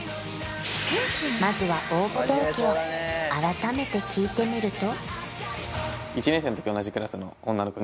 まずは応募動機を改めて聞いてみると？